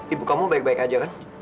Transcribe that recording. ibu kamu baik baik aja mas